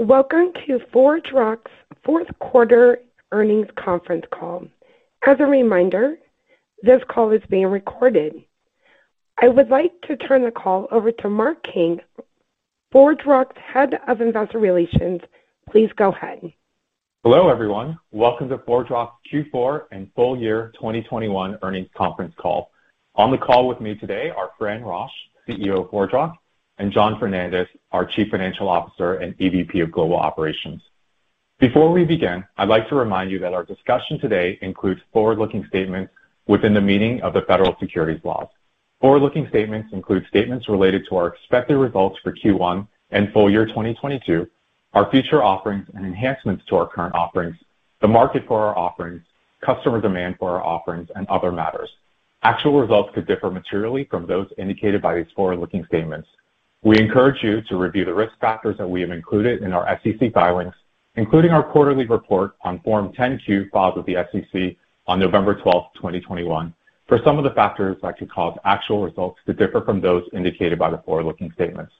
Welcome to ForgeRock's fourth quarter earnings conference call. As a reminder, this call is being recorded. I would like to turn the call over to Mark Kang, ForgeRock's Head of Investor Relations. Please go ahead. Hello, everyone. Welcome to ForgeRock Q4 and full year 2021 earnings conference call. On the call with me today are Fran Rosch, CEO of ForgeRock, and John Fernandez, our Chief Financial Officer and EVP of Global Operations. Before we begin, I'd like to remind you that our discussion today includes forward-looking statements within the meaning of the federal securities laws. Forward-looking statements include statements related to our expected results for Q1 and full year 2022, our future offerings and enhancements to our current offerings, the market for our offerings, customer demand for our offerings, and other matters. Actual results could differ materially from those indicated by these forward-looking statements. We encourage you to review the risk factors that we have included in our SEC filings, including our quarterly report on Form 10-Q filed with the SEC on November 12, 2021, for some of the factors that could cause actual results to differ from those indicated by the forward-looking statements.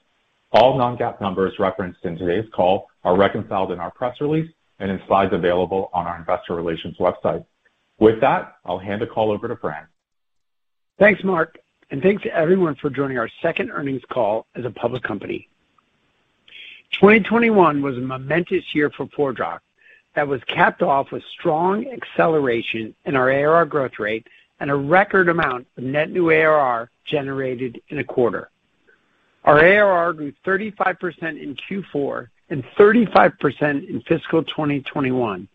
All Non-GAAP numbers referenced in today's call are reconciled in our press release and in slides available on our investor relations website. With that, I'll hand the call over to Fran. Thanks, Mark, and thanks to everyone for joining our second earnings call as a public company. 2021 was a momentous year for ForgeRock that was capped off with strong acceleration in our ARR growth rate and a record amount of net new ARR generated in a quarter. Our ARR grew 35% in Q4 and 35% in fiscal 2021,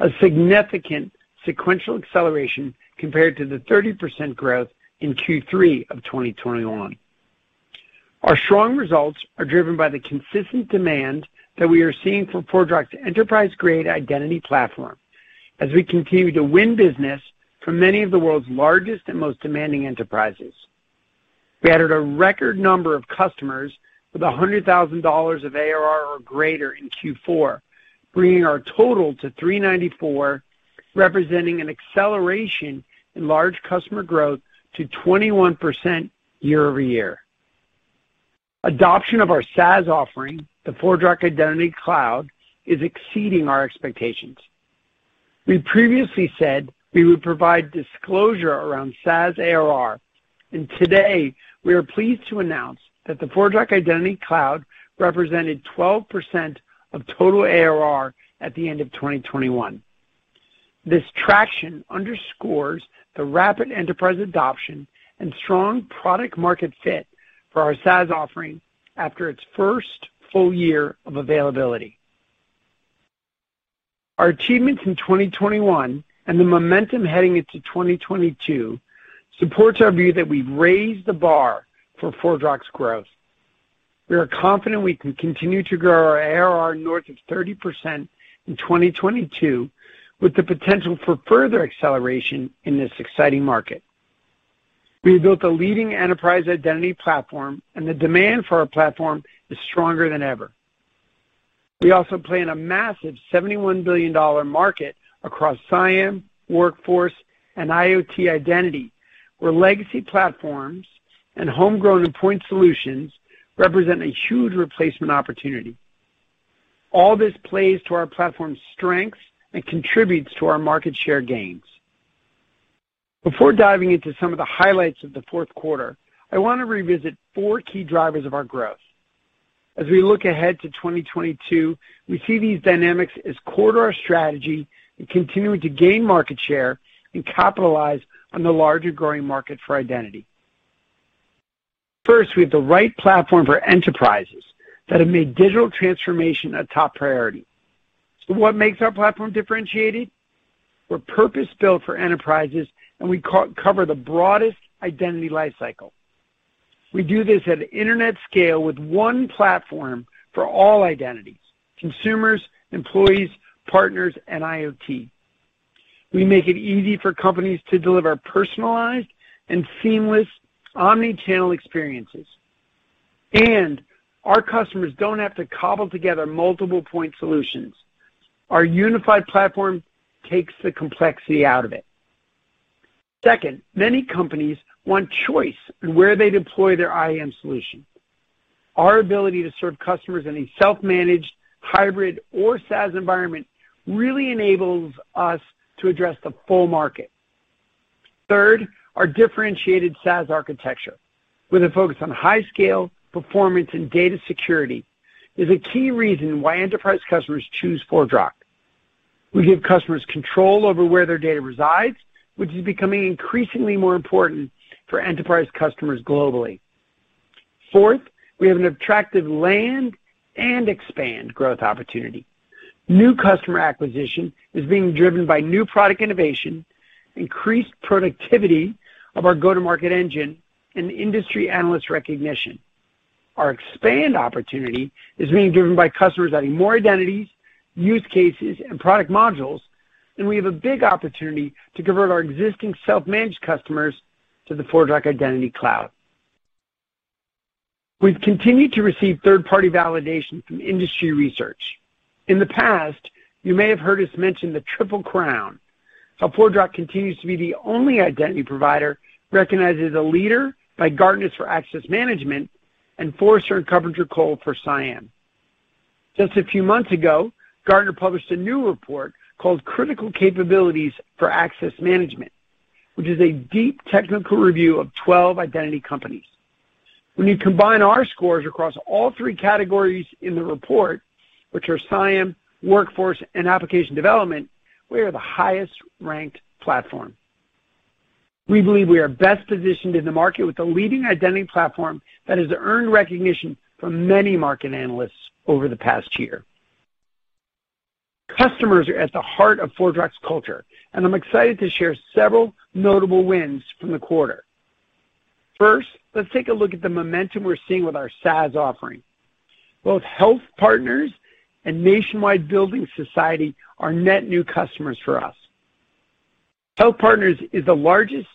a significant sequential acceleration compared to the 30% growth in Q3 of 2021. Our strong results are driven by the consistent demand that we are seeing from ForgeRock's enterprise-grade identity platform as we continue to win business from many of the world's largest and most demanding enterprises. We added a record number of customers with $100,000 of ARR or greater in Q4, bringing our total to 394, representing an acceleration in large customer growth to 21% year-over-year. Adoption of our SaaS offering, the ForgeRock Identity Cloud, is exceeding our expectations. We previously said we would provide disclosure around SaaS ARR, and today we are pleased to announce that the ForgeRock Identity Cloud represented 12% of total ARR at the end of 2021. This traction underscores the rapid enterprise adoption and strong product market fit for our SaaS offering after its first full year of availability. Our achievements in 2021 and the momentum heading into 2022 supports our view that we've raised the bar for ForgeRock's growth. We are confident we can continue to grow our ARR north of 30% in 2022, with the potential for further acceleration in this exciting market. We have built a leading enterprise identity platform, and the demand for our platform is stronger than ever. We also play in a massive $71 billion market across CIAM, workforce, and IoT identity, where legacy platforms and homegrown and point solutions represent a huge replacement opportunity. All this plays to our platform's strengths and contributes to our market share gains. Before diving into some of the highlights of the fourth quarter, I want to revisit 4 key drivers of our growth. As we look ahead to 2022, we see these dynamics as core to our strategy in continuing to gain market share and capitalize on the larger growing market for identity. First, we have the right platform for enterprises that have made digital transformation a top priority. So what makes our platform differentiated? We're purpose-built for enterprises, and we cover the broadest identity lifecycle. We do this at internet scale with one platform for all identities, consumers, employees, partners, and IoT. We make it easy for companies to deliver personalized and seamless omni-channel experiences. Our customers don't have to cobble together multiple point solutions. Our unified platform takes the complexity out of it. Second, many companies want choice in where they deploy their IAM solution. Our ability to serve customers in a self-managed hybrid or SaaS environment really enables us to address the full market. Third, our differentiated SaaS architecture with a focus on high scale, performance and data security is a key reason why enterprise customers choose ForgeRock. We give customers control over where their data resides, which is becoming increasingly more important for enterprise customers globally. Fourth, we have an attractive land and expand growth opportunity. New customer acquisition is being driven by new product innovation, increased productivity of our go-to-market engine, and industry analyst recognition. Our expand opportunity is being driven by customers adding more identities, use cases, and product modules, and we have a big opportunity to convert our existing self-managed customers to the ForgeRock Identity Cloud. We've continued to receive third-party validation from industry research. In the past, you may have heard us mention the Triple Crown. How ForgeRock continues to be the only identity provider recognized as a leader by Gartner's for access management and Forrester and KuppingerCole for CIAM. Just a few months ago, Gartner published a new report called Critical Capabilities for Access Management, which is a deep technical review of 12 identity companies. When you combine our scores across all three categories in the report, which are CIAM, Workforce, and Application Development, we are the highest-ranked platform. We believe we are best positioned in the market with a leading identity platform that has earned recognition from many market analysts over the past year. Customers are at the heart of ForgeRock's culture, and I'm excited to share several notable wins from the quarter. First, let's take a look at the momentum we're seeing with our SaaS offering. Both HealthPartners and Nationwide Building Society are net new customers for us. HealthPartners is the largest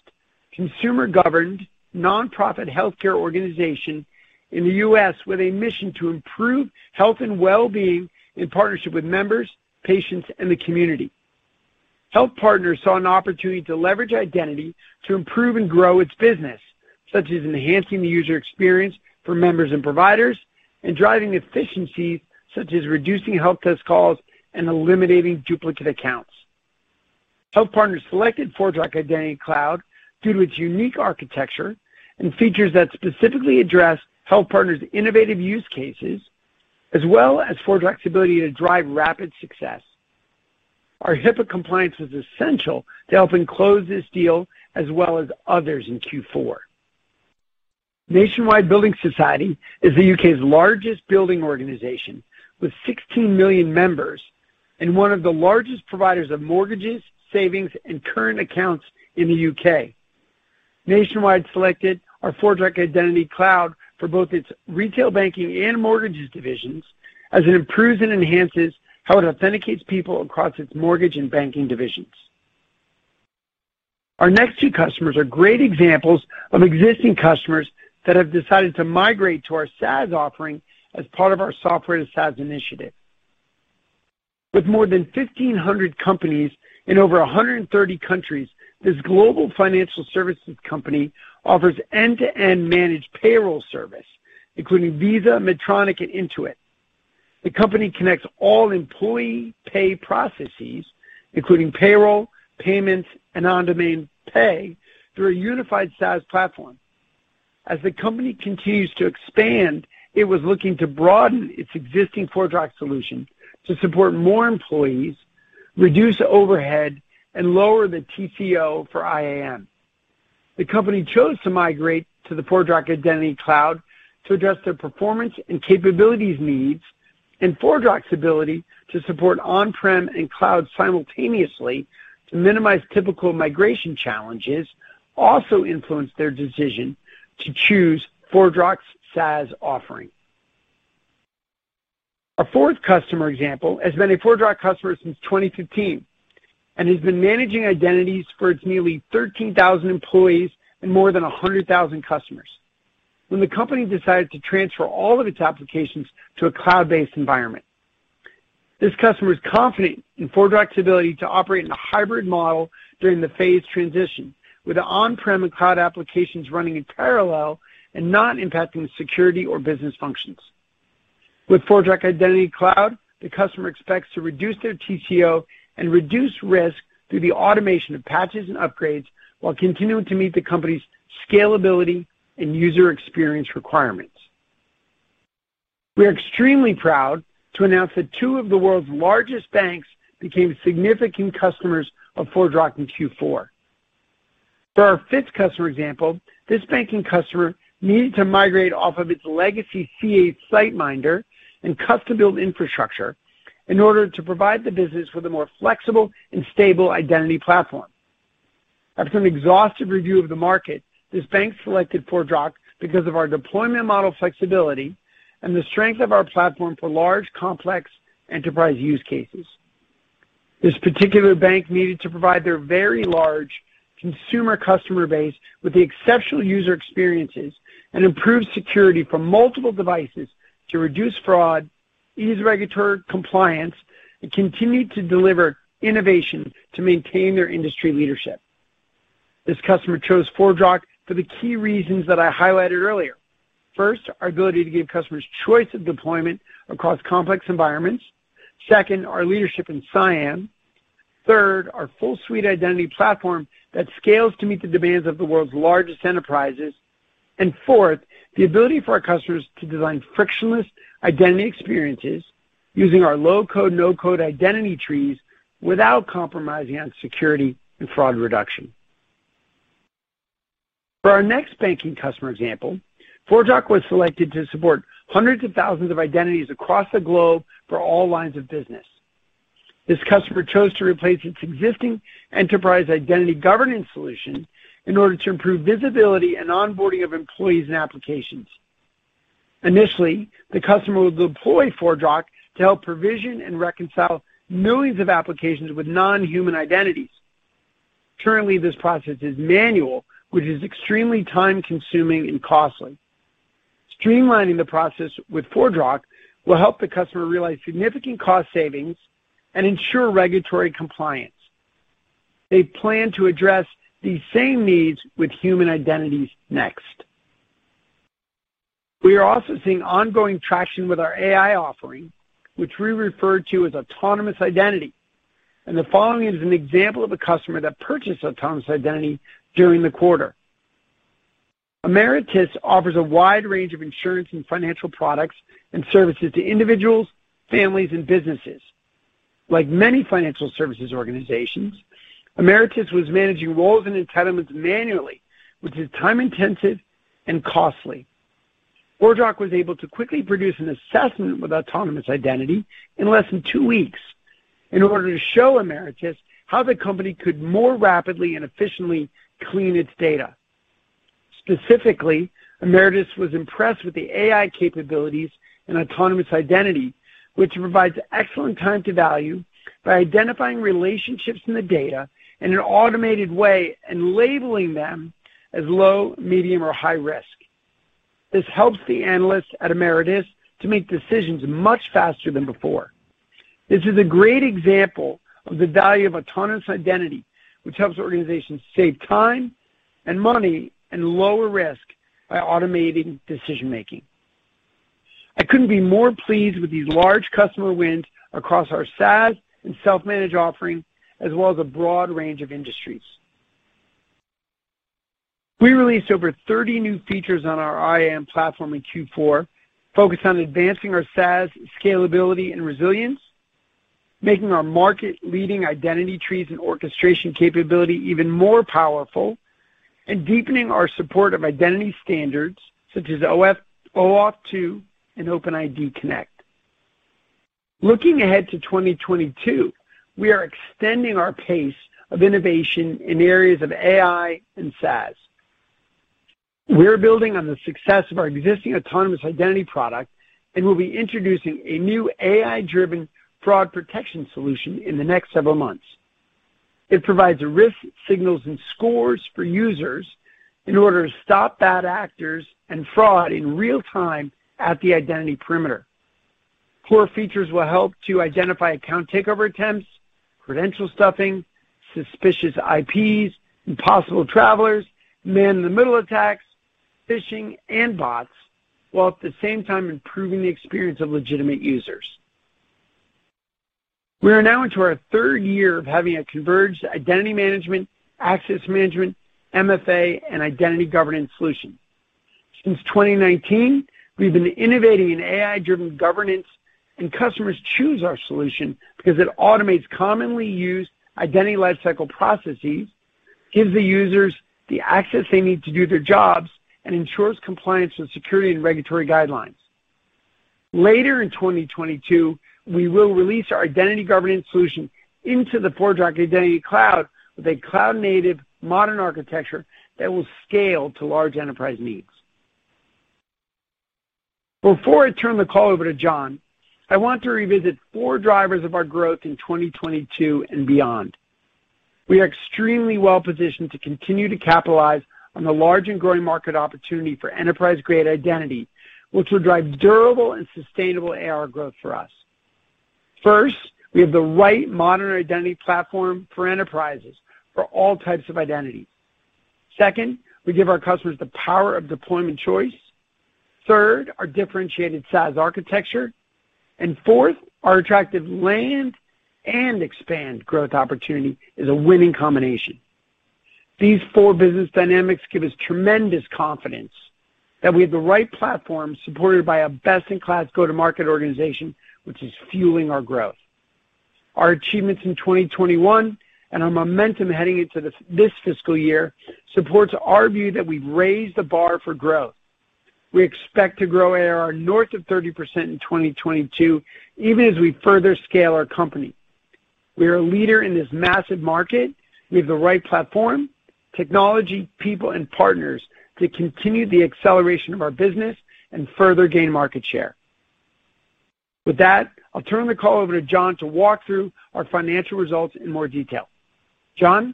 consumer-governed, nonprofit healthcare organization in the U.S. with a mission to improve health and well-being in partnership with members, patients, and the community. HealthPartners saw an opportunity to leverage identity to improve and grow its business, such as enhancing the user experience for members and providers and driving efficiencies such as reducing health desk calls and eliminating duplicate accounts. HealthPartners selected ForgeRock Identity Cloud due to its unique architecture and features that specifically address HealthPartners' innovative use cases, as well as ForgeRock's ability to drive rapid success. Our HIPAA compliance was essential to helping close this deal as well as others in Q4. Nationwide Building Society is the U.K.'s largest building organization with 16 million members and one of the largest providers of mortgages, savings, and current accounts in the U.K. Nationwide selected our ForgeRock Identity Cloud for both its retail banking and mortgages divisions as it improves and enhances how it authenticates people across its mortgage and banking divisions. Our next two customers are great examples of existing customers that have decided to migrate to our SaaS offering as part of our Software to SaaS initiative. With more than 1,500 companies in over 130 countries, this global financial services company offers end-to-end managed payroll service, including Visa, Medtronic, and Intuit. The company connects all employee pay processes, including payroll, payments, and on-domain pay, through a unified SaaS platform. As the company continues to expand, it was looking to broaden its existing ForgeRock solution to support more employees, reduce overhead, and lower the TCO for IAM. The company chose to migrate to the ForgeRock Identity Cloud to address their performance and capabilities needs, and ForgeRock's ability to support on-prem and cloud simultaneously to minimize typical migration challenges also influenced their decision to choose ForgeRock's SaaS offering. Our fourth customer example has been a ForgeRock customer since 2015 and has been managing identities for its nearly 13,000 employees and more than 100,000 customers. When the company decided to transfer all of its applications to a cloud-based environment, this customer is confident in ForgeRock's ability to operate in a hybrid model during the phase transition with the on-prem and cloud applications running in parallel and not impacting security or business functions. With ForgeRock Identity Cloud, the customer expects to reduce their TCO and reduce risk through the automation of patches and upgrades while continuing to meet the company's scalability and user experience requirements. We are extremely proud to announce that two of the world's largest banks became significant customers of ForgeRock in Q4. For our fifth customer example, this banking customer needed to migrate off of its legacy CA SiteMinder and custom-built infrastructure in order to provide the business with a more flexible and stable identity platform. After an exhaustive review of the market, this bank selected ForgeRock because of our deployment model flexibility and the strength of our platform for large, complex enterprise use cases. This particular bank needed to provide their very large consumer customer base with the exceptional user experiences and improve security from multiple devices to reduce fraud, ease regulatory compliance, and continue to deliver innovation to maintain their industry leadership. This customer chose ForgeRock for the key reasons that I highlighted earlier. First, our ability to give customers choice of deployment across complex environments. Second, our leadership in CIAM. Third, our full suite identity platform that scales to meet the demands of the world's largest enterprises. Fourth, the ability for our customers to design frictionless identity experiences using our low-code, no-code Identity Trees without compromising on security and fraud reduction. For our next banking customer example, ForgeRock was selected to support hundreds of thousands of identities across the globe for all lines of business. This customer chose to replace its existing enterprise identity governance solution in order to improve visibility and onboarding of employees and applications. Initially, the customer will deploy ForgeRock to help provision and reconcile millions of applications with non-human identities. Currently, this process is manual, which is extremely time-consuming and costly. Streamlining the process with ForgeRock will help the customer realize significant cost savings and ensure regulatory compliance. They plan to address these same needs with human identities next. We are also seeing ongoing traction with our AI offering, which we refer to as Autonomous Identity. The following is an example of a customer that purchased Autonomous Identity during the quarter. Ameritas offers a wide range of insurance and financial products and services to individuals, families, and businesses. Like many financial services organizations, Ameritas was managing roles and entitlements manually, which is time-intensive and costly. ForgeRock was able to quickly produce an assessment with Autonomous Identity in less than two weeks in order to show Ameritas how the company could more rapidly and efficiently clean its data. Specifically, Ameritas was impressed with the AI capabilities in Autonomous Identity, which provides excellent time to value by identifying relationships in the data in an automated way and labeling them as low, medium, or high risk. This helps the analysts at Ameritas to make decisions much faster than before. This is a great example of the value of Autonomous Identity, which helps organizations save time and money and lower risk by automating decision-making. I couldn't be more pleased with these large customer wins across our SaaS and self-managed offering as well as a broad range of industries. We released over 30 new features on our IAM platform in Q4, focused on advancing our SaaS scalability and resilience, making our market-leading Identity Trees and orchestration capability even more powerful, and deepening our support of identity standards such as OAuth 2.0 and OpenID Connect. Looking ahead to 2022, we are extending our pace of innovation in areas of AI and SaaS. We're building on the success of our existing Autonomous Identity product, and we'll be introducing a new AI-driven fraud protection solution in the next several months. It provides risk signals and scores for users in order to stop bad actors and fraud in real time at the identity perimeter. Core features will help to identify account takeover attempts, credential stuffing, suspicious IPs, impossible travelers, man-in-the-middle attacks, phishing, and bots, while at the same time improving the experience of legitimate users. We are now into our third year of having a converged identity management, access management, MFA, and identity governance solution. Since 2019, we've been innovating in AI-driven governance, and customers choose our solution because it automates commonly used identity lifecycle processes, gives the users the access they need to do their jobs, and ensures compliance with security and regulatory guidelines. Later in 2022, we will release our identity governance solution into the ForgeRock Identity Cloud with a cloud-native modern architecture that will scale to large enterprise needs. Before I turn the call over to John, I want to revisitfour drivers of our growth in 2022 and beyond. We are extremely well positioned to continue to capitalize on the large and growing market opportunity for enterprise-grade identity, which will drive durable and sustainable ARR growth for us. First, we have the right modern identity platform for enterprises for all types of identities. Second, we give our customers the power of deployment choice. Third, our differentiated SaaS architecture. Fourth, our attractive land and expand growth opportunity is a winning combination. These four business dynamics give us tremendous confidence that we have the right platform supported by a best-in-class go-to-market organization, which is fueling our growth. Our achievements in 2021 and our momentum heading into this fiscal year supports our view that we've raised the bar for growth. We expect to grow ARR north of 30% in 2022, even as we further scale our company. We are a leader in this massive market. We have the right platform, technology, people, and partners to continue the acceleration of our business and further gain market share. With that, I'll turn the call over to John to walk through our financial results in more detail. John?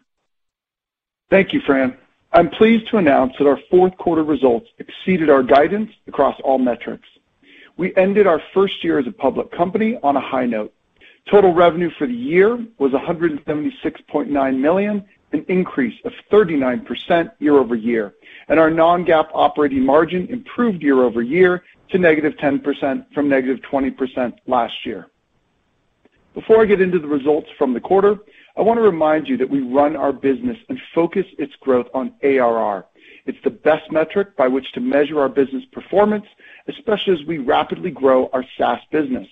Thank you, Fran. I'm pleased to announce that our fourth quarter results exceeded our guidance across all metrics. We ended our first year as a public company on a high note. Total revenue for the year was $176.9 million, an increase of 39% year-over-year. Our Non-GAAP operating margin improved year-over-year to -10% from -20% last year. Before I get into the results from the quarter, I want to remind you that we run our business and focus its growth on ARR. It's the best metric by which to measure our business performance, especially as we rapidly grow our SaaS business.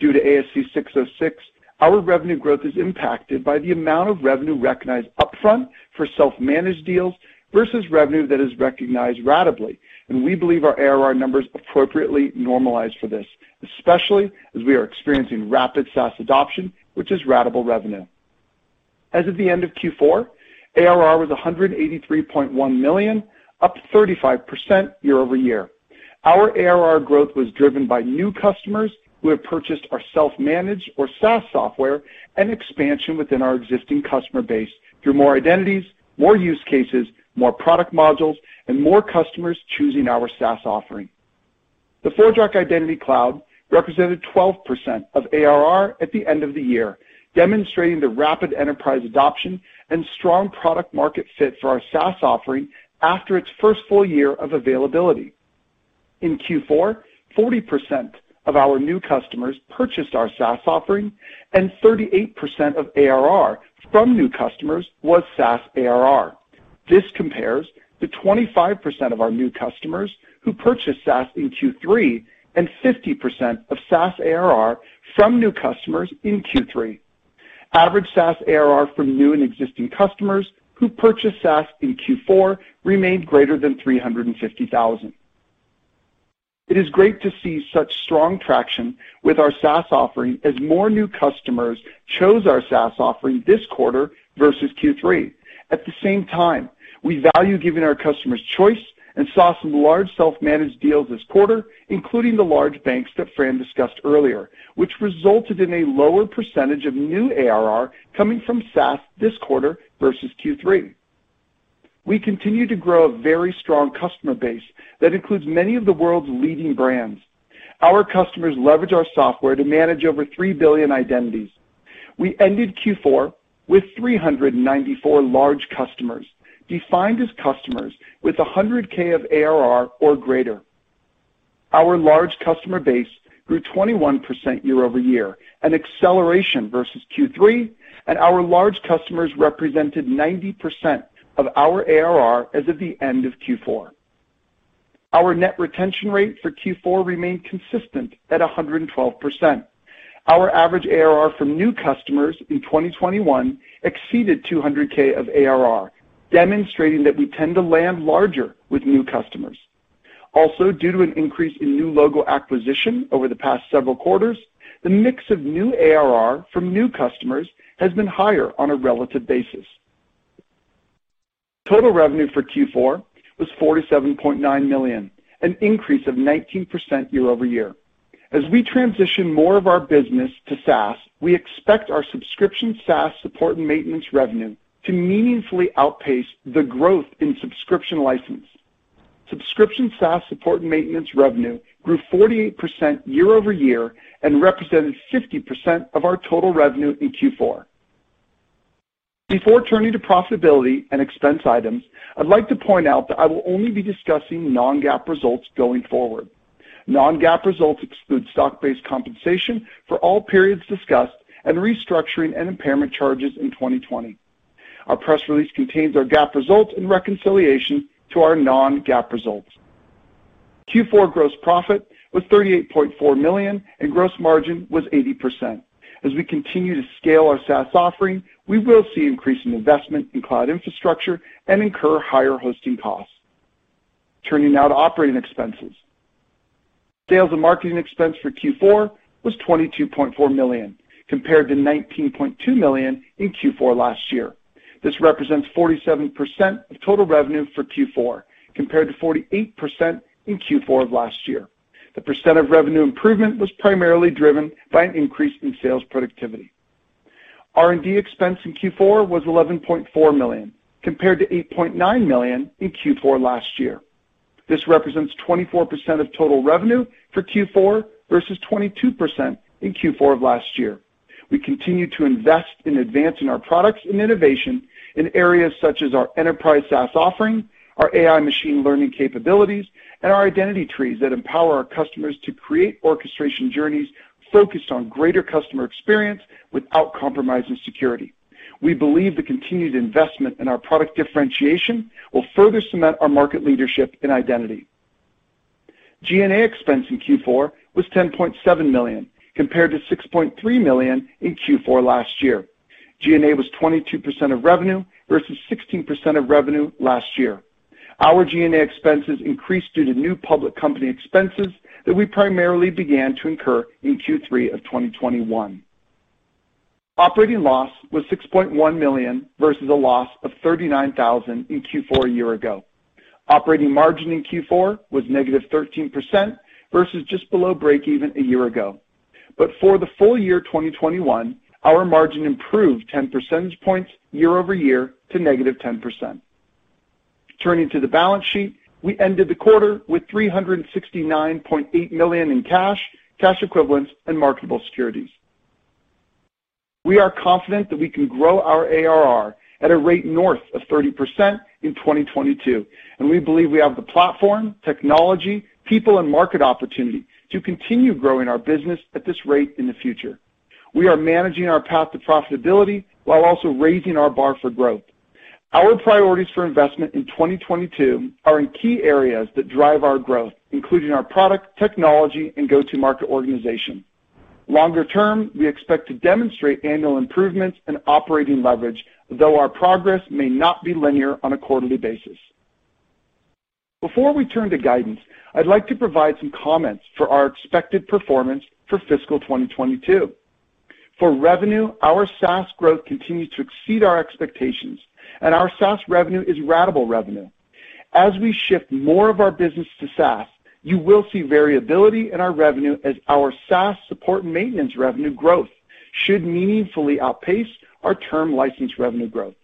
Due to ASC 606, our revenue growth is impacted by the amount of revenue recognized upfront for self-managed deals versus revenue that is recognized ratably. We believe our ARR numbers appropriately normalize for this, especially as we are experiencing rapid SaaS adoption, which is ratable revenue. As of the end of Q4, ARR was $183.1 million, up 35% year-over-year. Our ARR growth was driven by new customers who have purchased our self-managed or SaaS software and expansion within our existing customer base through more identities, more use cases, more product modules, and more customers choosing our SaaS offering. The ForgeRock Identity Cloud represented 12% of ARR at the end of the year, demonstrating the rapid enterprise adoption and strong product market fit for our SaaS offering after its first full year of availability. In Q4, 40% of our new customers purchased our SaaS offering, and 38% of ARR from new customers was SaaS ARR. This compares to 25% of our new customers who purchased SaaS in Q3 and 50% of SaaS ARR from new customers in Q3. Average SaaS ARR from new and existing customers who purchased SaaS in Q4 remained greater than $350,000. It is great to see such strong traction with our SaaS offering as more new customers chose our SaaS offering this quarter versus Q3. At the same time, we value giving our customers choice and saw some large self-managed deals this quarter, including the large banks that Fran discussed earlier, which resulted in a lower percentage of new ARR coming from SaaS this quarter versus Q3. We continue to grow a very strong customer base that includes many of the world's leading brands. Our customers leverage our software to manage over 3 billion identities. We ended Q4 with 394 large customers, defined as customers with 100K of ARR or greater. Our large customer base grew 21% year-over-year, an acceleration versus Q3, and our large customers represented 90% of our ARR as of the end of Q4. Our net retention rate for Q4 remained consistent at 112%. Our average ARR from new customers in 2021 exceeded 200K of ARR, demonstrating that we tend to land larger with new customers. Also, due to an increase in new logo acquisition over the past several quarters, the mix of new ARR from new customers has been higher on a relative basis. Total revenue for Q4 was $47.9 million, an increase of 19% year-over-year. As we transition more of our business to SaaS, we expect our subscription SaaS support and maintenance revenue to meaningfully outpace the growth in subscription license. Subscription SaaS support and maintenance revenue grew 48% year-over-year and represented 50% of our total revenue in Q4. Before turning to profitability and expense items, I'd like to point out that I will only be discussing Non-GAAP results going forward. Non-GAAP results exclude stock-based compensation for all periods discussed and restructuring and impairment charges in 2020. Our press release contains our GAAP results and reconciliation to our Non-GAAP results. Q4 gross profit was $38.4 million, and gross margin was 80%. As we continue to scale our SaaS offering, we will see increasing investment in cloud infrastructure and incur higher hosting costs. Turning now to operating expenses. Sales and marketing expense for Q4 was $22.4 million, compared to $19.2 million in Q4 last year. This represents 47% of total revenue for Q4, compared to 48% in Q4 of last year. The percent of revenue improvement was primarily driven by an increase in sales productivity. R&D expense in Q4 was $11.4 million, compared to $8.9 million in Q4 last year. This represents 24% of total revenue for Q4 versus 22% in Q4 of last year. We continue to invest in advancing our products and innovation in areas such as our enterprise SaaS offering, our AI machine learning capabilities, and our Identity Trees that empower our customers to create orchestration journeys focused on greater customer experience without compromising security. We believe the continued investment in our product differentiation will further cement our market leadership in identity. G&A expense in Q4 was $10.7 million, compared to $6.3 million in Q4 last year. G&A was 22% of revenue versus 16% of revenue last year. Our G&A expenses increased due to new public company expenses that we primarily began to incur in Q3 of 2021. Operating loss was $6.1 million versus a loss of $39,000 in Q4 a year ago. Operating margin in Q4 was -13% versus just below breakeven a year ago. For the full year 2021, our margin improved 10 percentage points year-over-year to -10%. Turning to the balance sheet, we ended the quarter with $369.8 million in cash equivalents, and marketable securities. We are confident that we can grow our ARR at a rate north of 30% in 2022, and we believe we have the platform, technology, people, and market opportunity to continue growing our business at this rate in the future. We are managing our path to profitability while also raising our bar for growth. Our priorities for investment in 2022 are in key areas that drive our growth, including our product, technology, and go-to-market organization. Longer term, we expect to demonstrate annual improvements in operating leverage, though our progress may not be linear on a quarterly basis. Before we turn to guidance, I'd like to provide some comments for our expected performance for fiscal 2022. For revenue, our SaaS growth continues to exceed our expectations, and our SaaS revenue is ratable revenue. As we shift more of our business to SaaS, you will see variability in our revenue as our SaaS support and maintenance revenue growth should meaningfully outpace our term license revenue growth.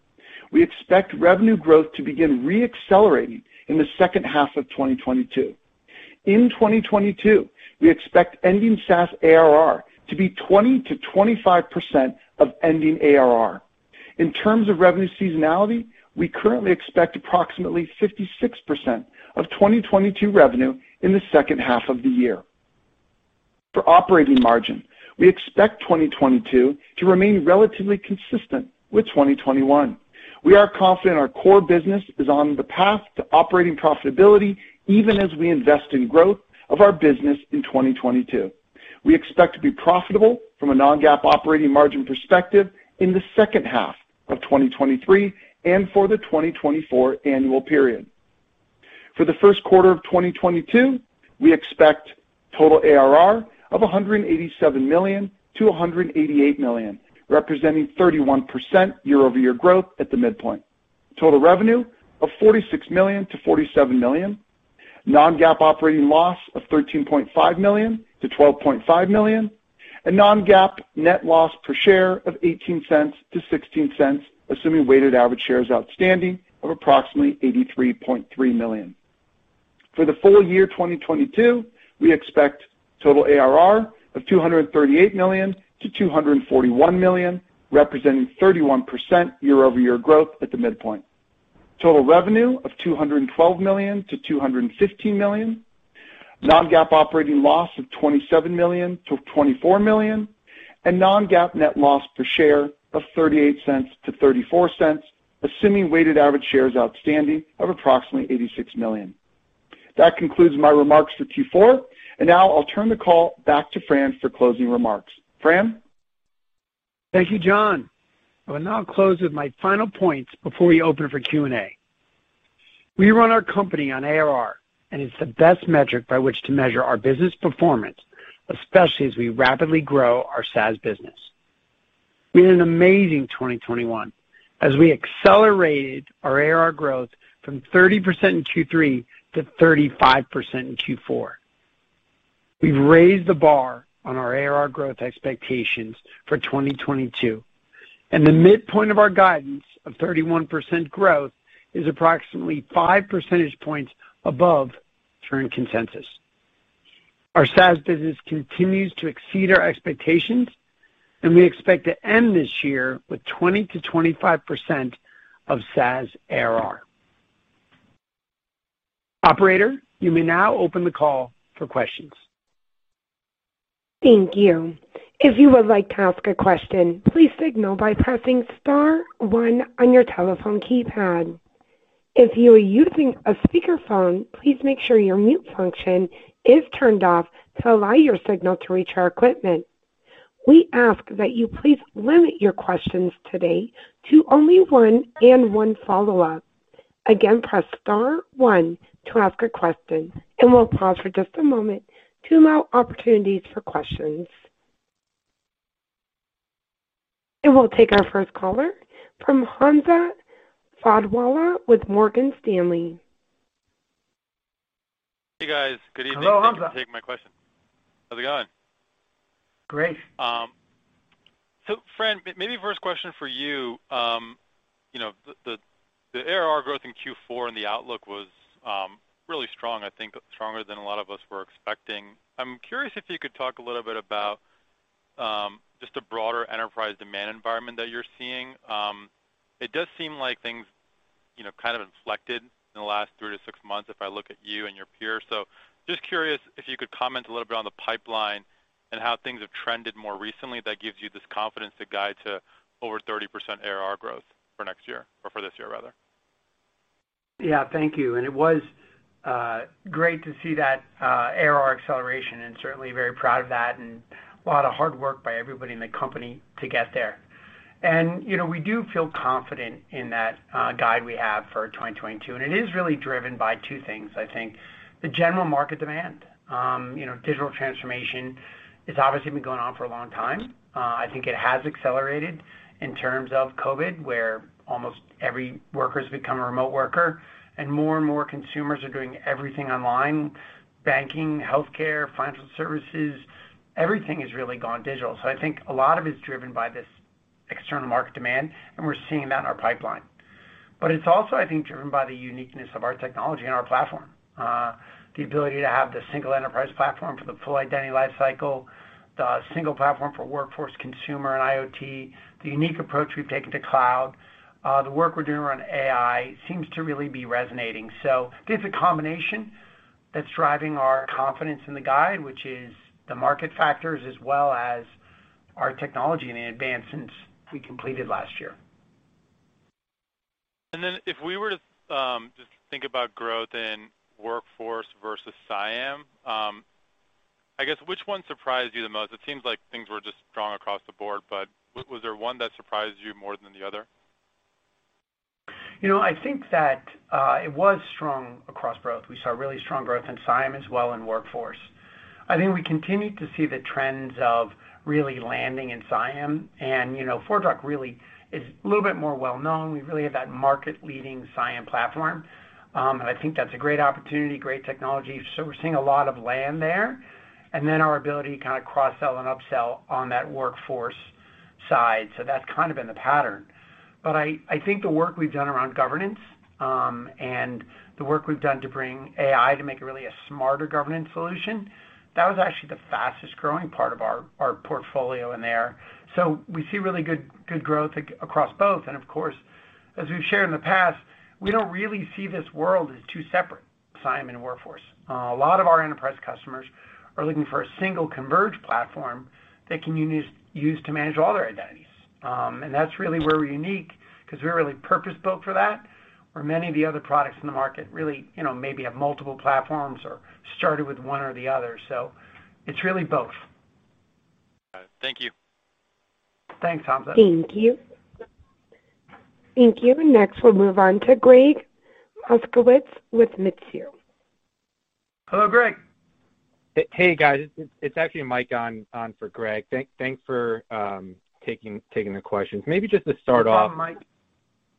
We expect revenue growth to begin re-accelerating in the second half of 2022. In 2022, we expect ending SaaS ARR to be 20%-25% of ending ARR. In terms of revenue seasonality, we currently expect approximately 56% of 2022 revenue in the second half of the year. For operating margin, we expect 2022 to remain relatively consistent with 2021. We are confident our core business is on the path to operating profitability even as we invest in growth of our business in 2022. We expect to be profitable from a Non-GAAP operating margin perspective in the second half of 2023 and for the 2024 annual period. For the first quarter of 2022, we expect total ARR of $187 million-$188 million, representing 31% year-over-year growth at the midpoint. Total revenue of $46 million-$47 million. Non-GAAP operating loss of $13.5 million-$12.5 million. Non-GAAP net loss per share of $0.18-$0.16, assuming weighted average shares outstanding of approximately 83.3 million. For the full year 2022, we expect total ARR of $238 million-$241 million, representing 31% year-over-year growth at the midpoint. Total revenue of $212 million-$215 million. Non-GAAP operating loss of $27 million-$24 million. Non-GAAP net loss per share of $0.38-$0.34, assuming weighted average shares outstanding of approximately 86 million. That concludes my remarks for Q4, and now I'll turn the call back to Fran for closing remarks. Fran? Thank you, John. I will now close with my final points before we open for Q&A. We run our company on ARR, and it's the best metric by which to measure our business performance, especially as we rapidly grow our SaaS business. We had an amazing 2021 as we accelerated our ARR growth from 30% in Q3 to 35% in Q4. We've raised the bar on our ARR growth expectations for 2022, and the midpoint of our guidance of 31% growth is approximately 5 percentage points above current consensus. Our SaaS business continues to exceed our expectations, and we expect to end this year with 20%-25% of SaaS ARR. Operator, you may now open the call for questions. Thank you. If you would like to ask a question, please signal by pressing star one on your telephone keypad. If you are using a speakerphone, please make sure your mute function is turned off to allow your signal to reach our equipment. We ask that you please limit your questions today to only one and one follow-up. Again, press star one to ask a question, and we'll pause for just a moment to allow opportunities for questions. We'll take our first caller from Hamza Fodderwala with Morgan Stanley. Hey, guys. Good evening. Hello, Hamza. Thank you for taking my question. How's it going? Great. Fran, maybe first question for you. You know, the ARR growth in Q4 and the outlook was really strong, I think stronger than a lot of us were expecting. I'm curious if you could talk a little bit about just the broader enterprise demand environment that you're seeing. It does seem like things, you know, kind of inflected in the last three to six months if I look at you and your peers. Just curious if you could comment a little bit on the pipeline and how things have trended more recently that gives you this confidence to guide to over 30% ARR growth for next year or for this year, rather. Yeah. Thank you. It was great to see that ARR acceleration, and certainly very proud of that, and a lot of hard work by everybody in the company to get there. You know, we do feel confident in that guide we have for 2022, and it is really driven by two things, I think. The general market demand. You know, digital transformation has obviously been going on for a long time. I think it has accelerated in terms of COVID, where almost every worker's become a remote worker, and more and more consumers are doing everything online, banking, healthcare, financial services. Everything has really gone digital. I think a lot of it's driven by this external market demand, and we're seeing that in our pipeline. It's also, I think, driven by the uniqueness of our technology and our platform. The ability to have the single enterprise platform for the full identity life cycle, the single platform for workforce, consumer, and IoT. The unique approach we've taken to cloud, the work we're doing around AI seems to really be resonating. I think it's a combination that's driving our confidence in the guide, which is the market factors as well as our technology and the advances we completed last year. If we were to just think about growth in workforce versus CIAM, I guess which one surprised you the most? It seems like things were just strong across the board, but was there one that surprised you more than the other? You know, I think that it was strong across growth. We saw really strong growth in CIAM as well in workforce. I think we continue to see the trends of really landing in CIAM. You know, ForgeRock really is a little bit more well-known. We really have that market-leading CIAM platform. I think that's a great opportunity, great technology. We're seeing a lot of land there. Our ability to kind of cross-sell and up-sell on that workforce side. That's kind of been the pattern. I think the work we've done around governance, and the work we've done to bring AI to make it really a smarter governance solution, that was actually the fastest-growing part of our portfolio in there. We see really good growth across both. Of course, as we've shared in the past, we don't really see this world as two separate, CIAM and workforce. A lot of our enterprise customers are looking for a single converged platform they can use to manage all their identities. That's really where we're unique 'cause we're really purpose-built for that, where many of the other products in the market really, you know, maybe have multiple platforms or started with one or the other. It's really both. All right. Thank you. Thanks, Hamza. Thank you. Next, we'll move on to Gregg Moskowitz with Mizuho. Hello, Greg. Hey, guys. It's actually Mike on for Greg. Thanks for taking the questions. Maybe just to start off- No problem, Mike.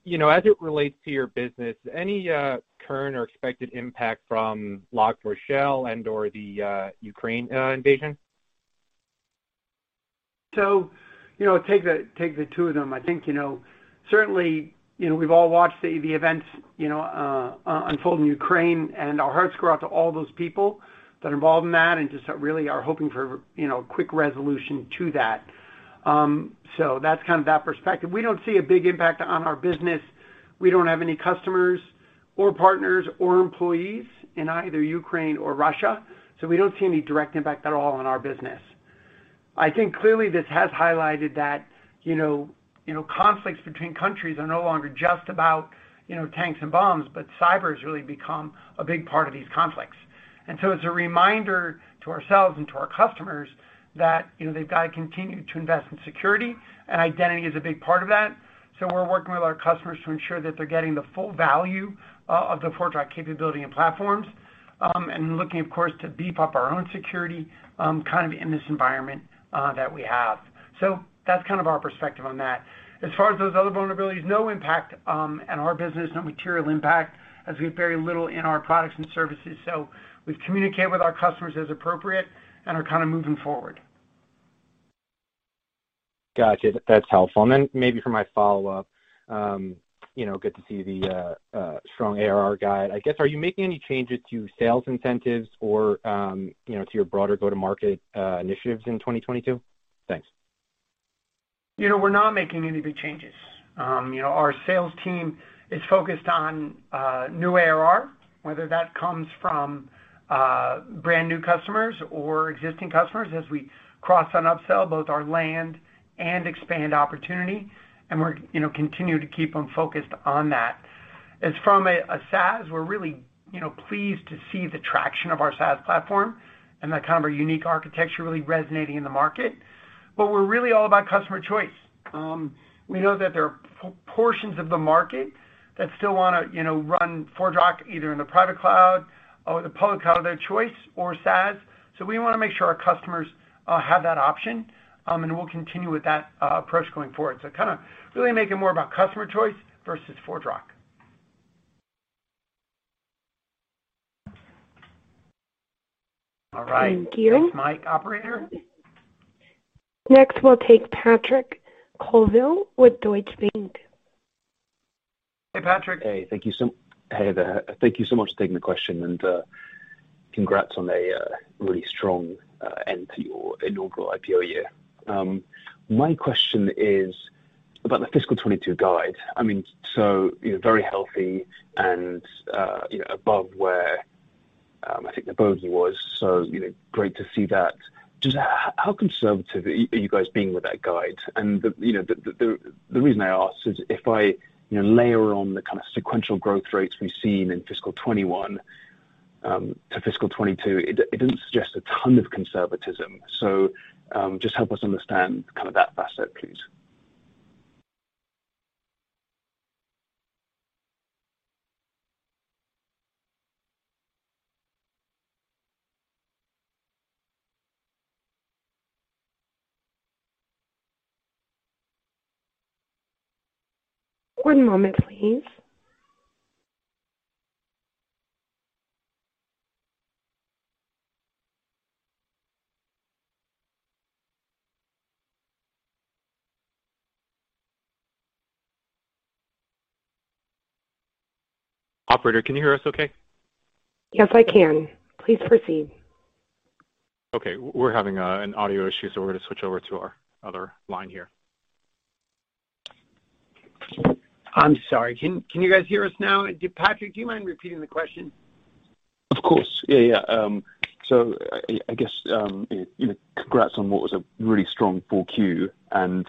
You know, as it relates to your business, any current or expected impact from Log4Shell and/or the Ukraine invasion? You know, take the two of them. I think, you know, certainly, you know, we've all watched the events, you know, unfold in Ukraine, and our hearts go out to all those people that are involved in that and just really are hoping for, you know, a quick resolution to that. That's kind of that perspective. We don't see a big impact on our business. We don't have any customers or partners or employees in either Ukraine or Russia. We don't see any direct impact at all on our business. I think clearly this has highlighted that, you know, conflicts between countries are no longer just about, you know, tanks and bombs, but cyber's really become a big part of these conflicts. It's a reminder to ourselves and to our customers that, you know, they've got to continue to invest in security, and identity is a big part of that. We're working with our customers to ensure that they're getting the full value of the ForgeRock capability and platforms, and looking of course to beef up our own security, kind of in this environment that we have. That's kind of our perspective on that. As far as those other vulnerabilities, no impact on our business, no material impact as we have very little in our products and services. We've communicated with our customers as appropriate and are kinda moving forward. Gotcha. That's helpful. Then maybe for my follow-up, you know, good to see the strong ARR guide. I guess, are you making any changes to sales incentives or, you know, to your broader go-to-market initiatives in 2022? Thanks. You know, we're not making any big changes. You know, our sales team is focused on new ARR, whether that comes from brand new customers or existing customers as we cross and up-sell both our land and expand opportunity, and we're you know continue to keep them focused on that. As from a SaaS, we're really you know pleased to see the traction of our SaaS platform and that kind of our unique architecture really resonating in the market. We're really all about customer choice. We know that there are portions of the market that still wanna you know run ForgeRock either in the private cloud or the public cloud of their choice or SaaS. We wanna make sure our customers have that option, and we'll continue with that approach going forward. Kinda really make it more about customer choice versus ForgeRock. All right. Thank you. Thanks, Mike. Operator? Next, we'll take Patrick Colville with Deutsche Bank. Hey, Patrick. Hey there. Thank you so much for taking the question and congrats on a really strong end to your inaugural IPO year. My question is about the fiscal 2022 guide. I mean, so, you know, very healthy and you know, above where I think the bogey was, so, you know, great to see that. Just how conservative are you guys being with that guide? And the reason I ask is if I you know layer on the kinda sequential growth rates we've seen in fiscal 2021 to fiscal 2022, it didn't suggest a ton of conservatism. Just help us understand kind of that facet, please. One moment, please. Operator, can you hear us okay? Yes, I can. Please proceed. Okay. We're having an audio issue, so we're gonna switch over to our other line here. I'm sorry. Can you guys hear us now? Patrick, do you mind repeating the question? Of course. Yeah, yeah. I guess you know, congrats on what was a really strong Q4 and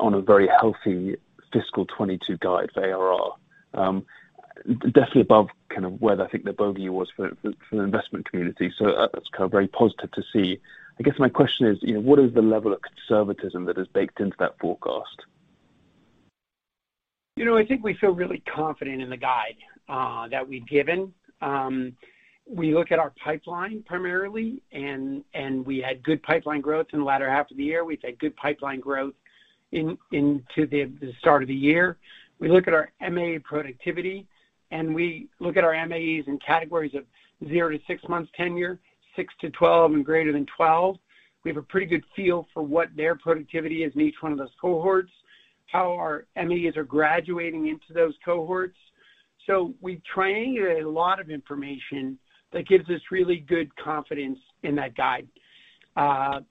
on a very healthy fiscal 2022 guide for ARR. Definitely above kind of where I think the bogey was for the investment community. That's kind of very positive to see. I guess my question is, you know, what is the level of conservatism that is baked into that forecast? You know, I think we feel really confident in the guide that we've given. We look at our pipeline primarily and we had good pipeline growth in the latter half of the year. We've had good pipeline growth into the start of the year. We look at our MA productivity, and we look at our AEs in categories of 0-6 months tenure, 6-12, and greater than 12. We have a pretty good feel for what their productivity is in each one of those cohorts, how our AEs are graduating into those cohorts. We triangulate a lot of information that gives us really good confidence in that guide.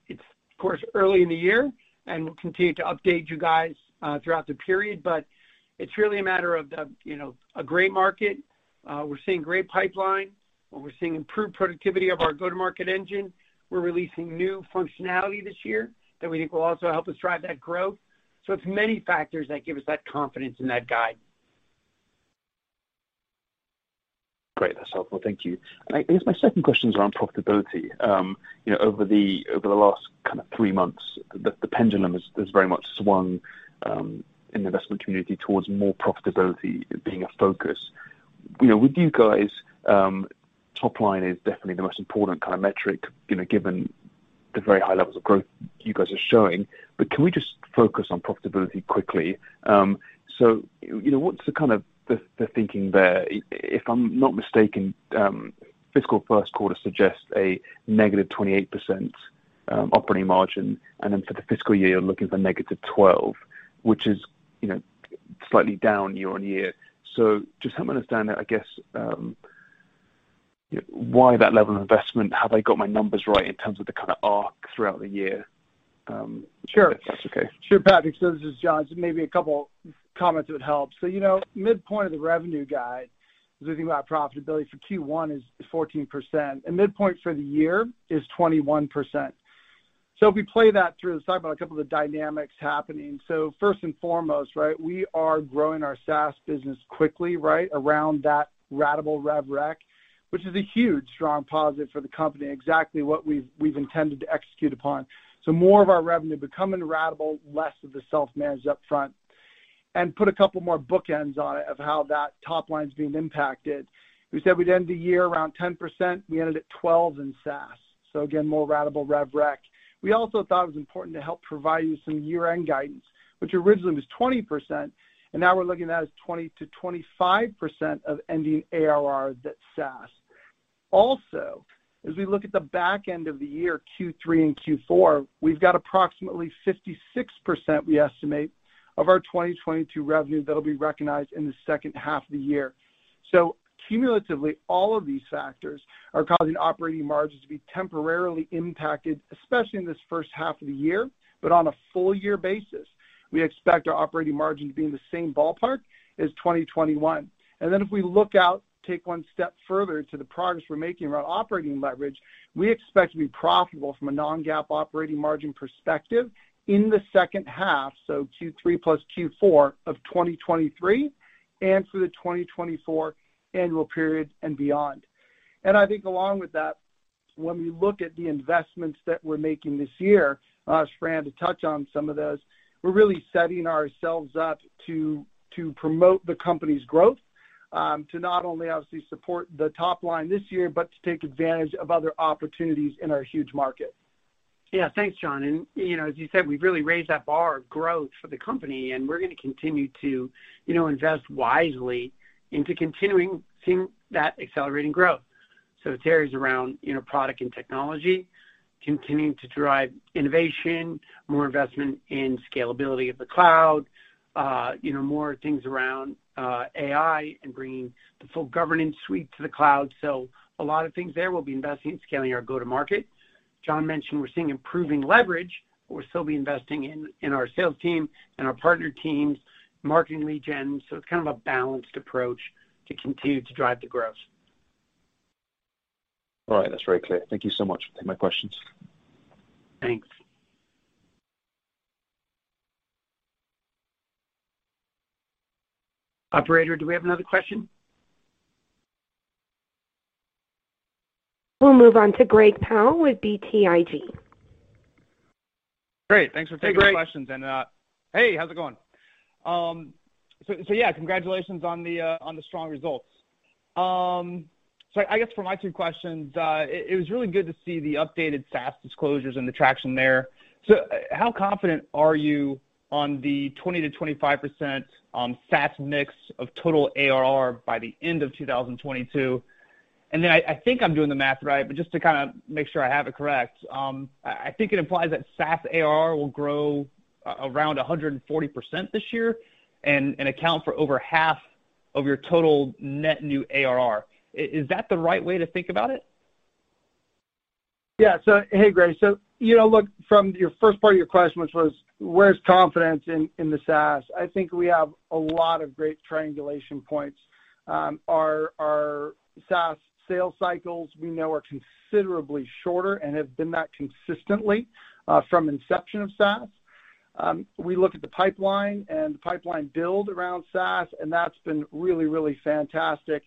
It's of course early in the year, and we'll continue to update you guys throughout the period, but it's really a matter of the you know a great market. We're seeing great pipeline, and we're seeing improved productivity of our go-to-market engine. We're releasing new functionality this year that we think will also help us drive that growth. It's many factors that give us that confidence in that guide. Great. That's helpful. Thank you. I guess my second question is around profitability. You know, over the last kind of THREE months, the pendulum has very much swung in the investment community towards more profitability being a focus. You know, with you guys, top line is definitely the most important kind of metric, you know, given the very high levels of growth you guys are showing. Can we just focus on profitability quickly? You know, what's the kind of thinking there? If I'm not mistaken, fiscal first quarter suggests a negative 28% operating margin, and then for the fiscal year, you're looking for negative 12%, which is, you know, slightly down year-over-year. Just help me understand that, I guess. Why that level of investment? Have I got my numbers right in terms of the kind of arc throughout the year? Sure. If that's okay. Sure, Patrick. This is John. Maybe a couple comments would help. You know, midpoint of the revenue guide is if you think about profitability for Q1 is 14%, and midpoint for the year is 21%. If we play that through, let's talk about a couple of the dynamics happening. First and foremost, right? We are growing our SaaS business quickly, right? Around that ratable rev rec, which is a huge strong positive for the company. Exactly what we've intended to execute upon. More of our revenue becoming ratable, less of the self-managed up front. Put a couple more bookends on it of how that top line is being impacted. We said we'd end the year around 10%. We ended at 12% in SaaS. Again, more ratable rev rec. We also thought it was important to help provide you some year-end guidance, which originally was 20%, and now we're looking at as 20%-25% of ending ARR that's SaaS. Also, as we look at the back end of the year, Q3 and Q4, we've got approximately 56%, we estimate, of our 2022 revenue that'll be recognized in the second half of the year. Cumulatively, all of these factors are causing operating margins to be temporarily impacted, especially in this first half of the year. On a full year basis, we expect our operating margin to be in the same ballpark as 2021. If we look out, take one step further to the progress we're making around operating leverage, we expect to be profitable from a Non-GAAP operating margin perspective in the second half, so Q3 plus Q4 of 2023 and through the 2024 annual period and beyond. I think along with that, when we look at the investments that we're making this year, I'll ask Fran to touch on some of those. We're really setting ourselves up to promote the company's growth, to not only obviously support the top line this year, but to take advantage of other opportunities in our huge market. Yeah. Thanks, John. You know, as you said, we've really raised that bar of growth for the company, and we're gonna continue to, you know, invest wisely into continuing seeing that accelerating growth. It varies around, you know, product and technology, continuing to drive innovation, more investment in scalability of the cloud, you know, more things around, AI and bringing the full governance suite to the cloud. A lot of things there. We'll be investing in scaling our go-to-market. John mentioned we're seeing improving leverage, but we'll still be investing in our sales team and our partner teams, marketing lead gen. It's kind of a balanced approach to continue to drive the growth. All right. That's very clear. Thank you so much for taking my questions. Thanks. Operator, do we have another question? We'll move on to Gray Powell with BTIG. Great. Thanks for taking the questions. Hey, Greg. Hey, how's it going? Yeah, congratulations on the strong results. I guess for my two questions, it was really good to see the updated SaaS disclosures and the traction there. How confident are you on the 20%-25% SaaS mix of total ARR by the end of 2022? Then I think I'm doing the math right, but just to kinda make sure I have it correct, I think it implies that SaaS ARR will grow around 140% this year and account for over half of your total net new ARR. Is that the right way to think about it? Yeah. Hey, Greg. You know, look, from your first part of your question, which was where's confidence in the SaaS? I think we have a lot of great triangulation points. Our SaaS sales cycles we know are considerably shorter and have been that consistently from inception of SaaS. We look at the pipeline and the pipeline build around SaaS, and that's been really fantastic.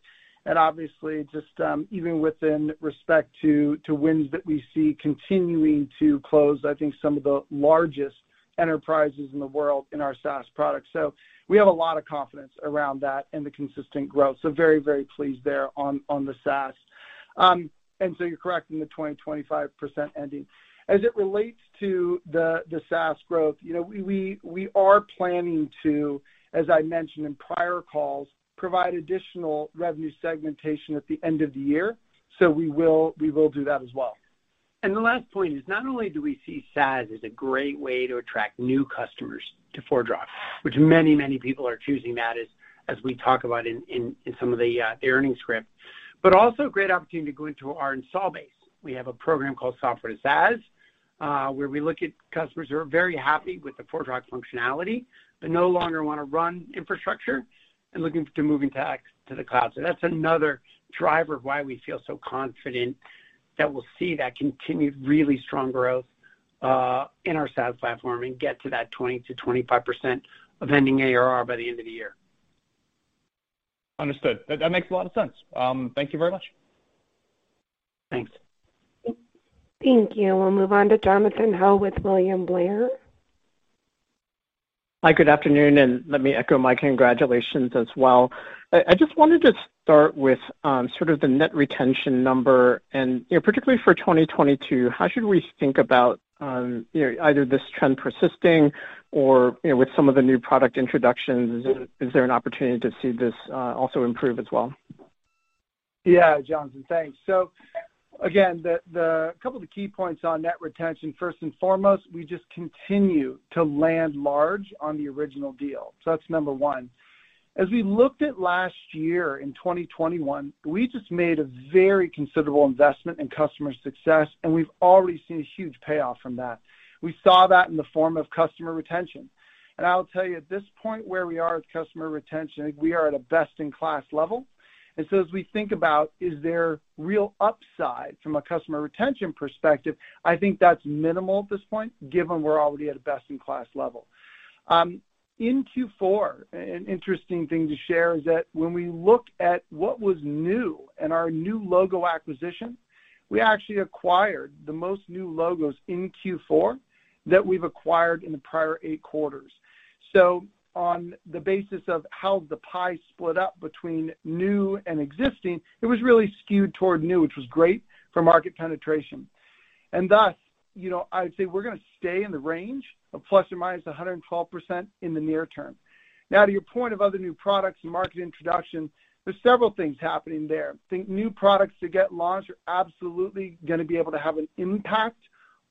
Obviously just even within respect to wins that we see continuing to close, I think some of the largest enterprises in the world in our SaaS product. We have a lot of confidence around that and the consistent growth. Very pleased there on the SaaS. You're correct in the 20%-25% ending. As it relates to the SaaS growth, you know, we are planning to, as I mentioned in prior calls, provide additional revenue segmentation at the end of the year. We will do that as well. The last point is not only do we see SaaS as a great way to attract new customers to ForgeRock, which many people are choosing that as we talk about in some of the earnings script, but also a great opportunity to go into our install base. We have a program called Software to SaaS, where we look at customers who are very happy with the ForgeRock functionality, but no longer wanna run infrastructure and looking to moving to the cloud. That's another driver of why we feel so confident that we'll see that continued really strong growth in our SaaS platform and get to that 20%-25% of ending ARR by the end of the year. Understood. That makes a lot of sense. Thank you very much. Thanks. Thank you. We'll move on to Jonathan Ho with William Blair. Hi, good afternoon, and let me echo my congratulations as well. I just wanted to start with sort of the net retention number and, you know, particularly for 2022, how should we think about, you know, either this trend persisting or, you know, with some of the new product introductions, is there an opportunity to see this also improve as well? Yeah, Jonathan. Thanks. Again, the couple of key points on net retention, first and foremost, we just continue to land large on the original deal. That's number one. As we looked at last year in 2021, we just made a very considerable investment in customer success, and we've already seen a huge payoff from that. We saw that in the form of customer retention. I'll tell you, at this point where we are with customer retention, we are at a best-in-class level. As we think about, is there real upside from a customer retention perspective, I think that's minimal at this point, given we're already at a best-in-class level. In Q4, an interesting thing to share is that when we look at what was new in our new logo acquisition, we actually acquired the most new logos in Q4 that we've acquired in the prior 8 quarters. On the basis of how the pie split up between new and existing, it was really skewed toward new, which was great for market penetration. Thus, you know, I'd say we're gonna stay in the range of ±112% in the near term. Now to your point of other new products and market introduction, there's several things happening there. I think new products to get launched are absolutely gonna be able to have an impact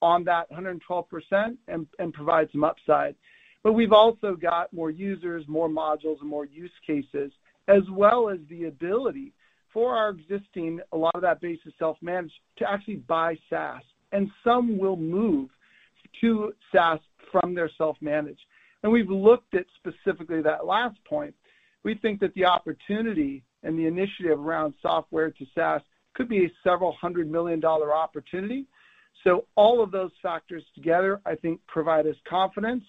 on that 112% and provide some upside. We've also got more users, more modules, and more use cases, as well as the ability for our existing, a lot of that base is self-managed, to actually buy SaaS. Some will move to SaaS from their self-managed. We've looked at specifically that last point. We think that the opportunity and the initiative around Software to SaaS could be a $ several hundred million opportunity. All of those factors together, I think, provide us confidence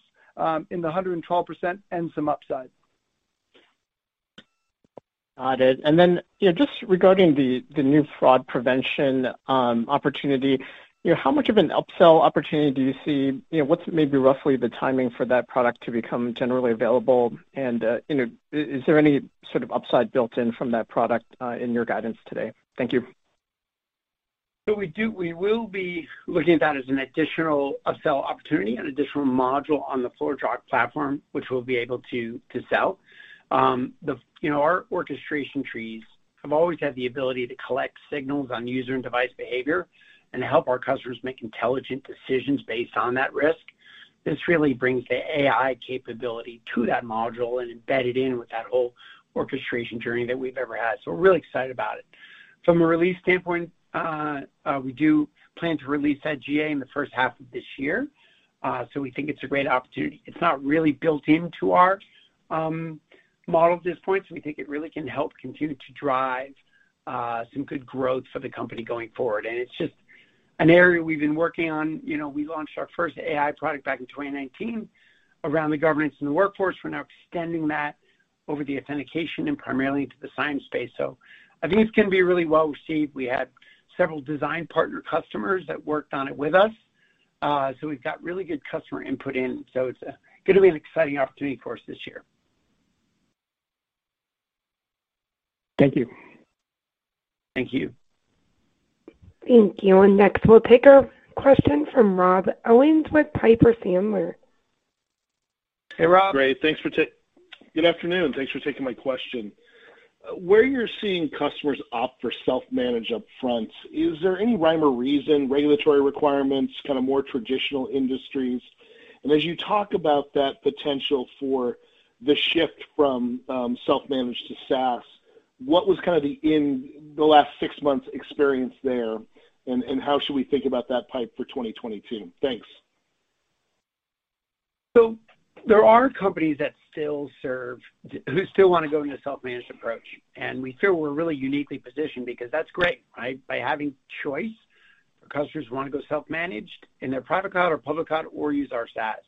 in the 112% and some upside. Got it. You know, just regarding the new fraud prevention opportunity, you know, how much of an upsell opportunity do you see? You know, what's maybe roughly the timing for that product to become generally available? You know, is there any sort of upside built in from that product in your guidance today? Thank you. We will be looking at that as an additional upsell opportunity and additional module on the ForgeRock platform, which we'll be able to to sell. You know, our orchestration trees have always had the ability to collect signals on user and device behavior and to help our customers make intelligent decisions based on that risk. This really brings the AI capability to that module and embed it in with that whole orchestration journey that we've ever had. We're really excited about it. From a release standpoint, we do plan to release that GA in the first half of this year. We think it's a great opportunity. It's not really built into our model at this point, so we think it really can help continue to drive some good growth for the company going forward. It's just an area we've been working on. You know, we launched our first AI product back in 2019 around the governance in the workforce. We're now extending that over the authentication and primarily into the CIAM space. I think it's gonna be really well received. We had several design partner customers that worked on it with us. We've got really good customer input in. It's gonna be an exciting opportunity for us this year. Thank you. Thank you. Thank you. Next, we'll take a question from Rob Owens with Piper Sandler. Hey, Rob. Great. Good afternoon. Thanks for taking my question. Where you're seeing customers opt for self-managed upfront, is there any rhyme or reason, regulatory requirements, kind of more traditional industries? As you talk about that potential for the shift from self-managed to SaaS, what was kind of the experience in the last six months there, and how should we think about that pipe for 2022? Thanks. There are companies that who still wanna go in a self-managed approach, and we feel we're really uniquely positioned because that's great, right? By having choice, our customers wanna go self-managed in their private cloud or public cloud or use our SaaS.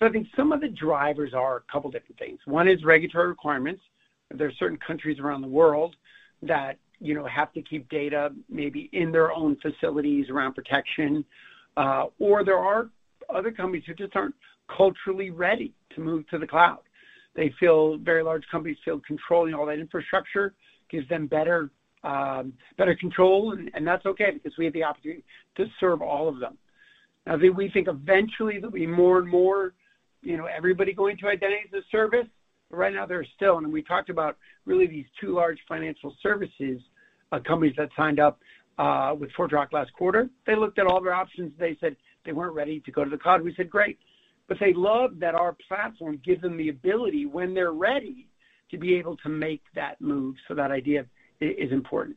I think some of the drivers are a couple different things. One is regulatory requirements. There are certain countries around the world that, you know, have to keep data maybe in their own facilities around protection. Or there are other companies who just aren't culturally ready to move to the cloud. Very large companies feel controlling all that infrastructure gives them better control, and that's okay because we have the opportunity to serve all of them. Now, we think eventually there'll be more and more, you know, everybody going to identity as a service. Right now they're still, and we talked about really these two large financial services companies that signed up with ForgeRock last quarter. They looked at all their options, they said they weren't ready to go to the cloud. We said, "Great." They love that our platform gives them the ability, when they're ready, to be able to make that move. That idea is important.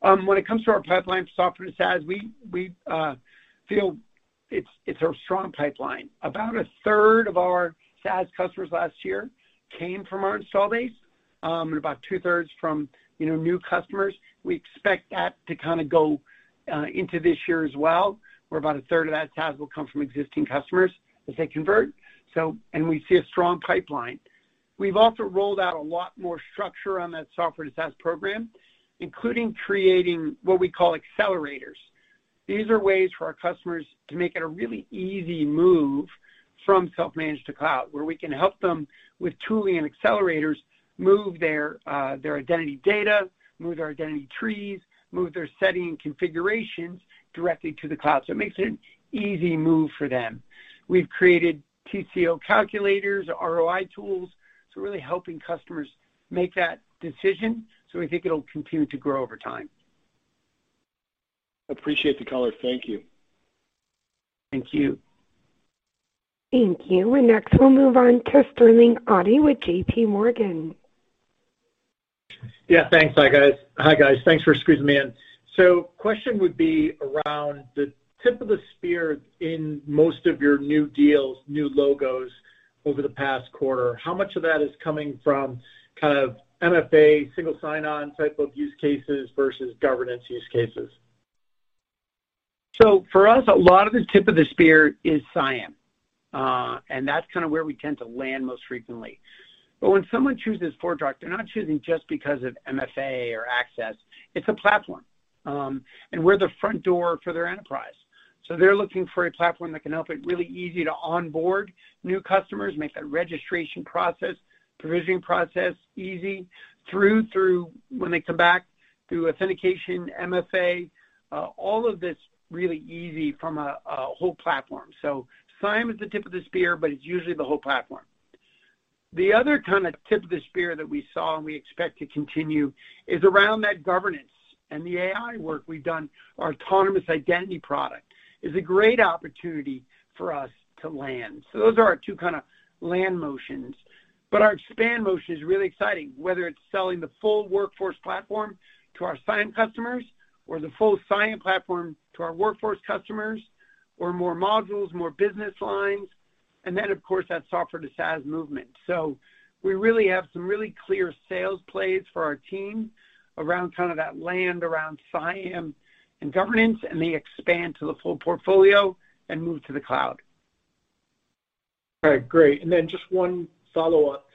When it comes to our pipeline, Software to SaaS, we feel it's a strong pipeline. About a third of our SaaS customers last year came from our installed base, and about two-thirds from, you know, new customers. We expect that to go into this year as well, where about a third of that SaaS will come from existing customers as they convert. We see a strong pipeline. We've also rolled out a lot more structure on that Software to SaaS program, including creating what we call accelerators. These are ways for our customers to make it a really easy move from self-managed to cloud, where we can help them with tooling and accelerators, move their identity data, move their Identity Trees, move their setting and configurations directly to the cloud. It makes an easy move for them. We've created TCO calculators or ROI tools, so really helping customers make that decision. We think it'll continue to grow over time. Appreciate the color. Thank you. Thank you. Thank you. Next we'll move on to Sterling Auty with J.P. Morgan. Yeah, thanks. Hi, guys. Thanks for squeezing me in. Question would be around the tip of the spear in most of your new deals, new logos over the past quarter. How much of that is coming from kind of MFA, single sign-on type of use cases versus governance use cases? For us, a lot of the tip of the spear is CIAM. That's kinda where we tend to land most frequently. When someone chooses ForgeRock, they're not choosing just because of MFA or access, it's a platform. We're the front door for their enterprise. They're looking for a platform that can help it really easy to onboard new customers, make that registration process, provisioning process easy through when they come back, through authentication, MFA, all of this really easy from a whole platform. CIAM is the tip of the spear, but it's usually the whole platform. The other kind of tip of the spear that we saw and we expect to continue is around that governance. The AI work we've done, our Autonomous Identity product, is a great opportunity for us to land. Those are our two kinda land motions. Our expand motion is really exciting, whether it's selling the full workforce platform to our CIAM customers or the full CIAM platform to our workforce customers, or more modules, more business lines, and then of course, that Software to SaaS movement. We really have some really clear sales plays for our team around kinda that land around CIAM and governance, and they expand to the full portfolio and move to the cloud. All right. Great. Then just one follow-up.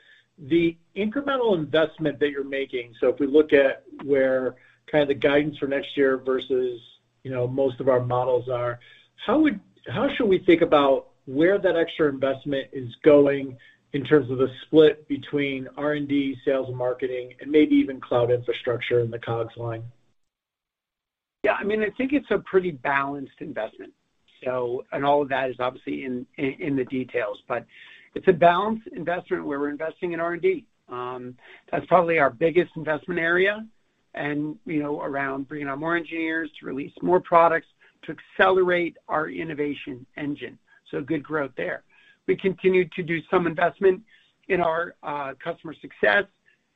The incremental investment that you're making, so if we look at where kinda the guidance for next year versus, you know, most of our models are, how should we think about where that extra investment is going in terms of the split between R&D, sales and marketing, and maybe even cloud infrastructure in the COGS line? Yeah, I mean, I think it's a pretty balanced investment. All of that is obviously in the details, but it's a balanced investment where we're investing in R&D. That's probably our biggest investment area. You know, around bringing on more engineers to release more products to accelerate our innovation engine. Good growth there. We continued to do some investment in our customer success